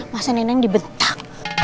masa neneknya dibentak